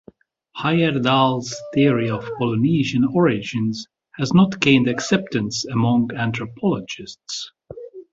Heyerdahl's theory of Polynesian origins has not gained acceptance among anthropologists.